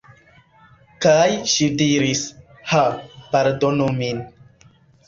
Kaj ŝi diris: "Ha, pardonu min."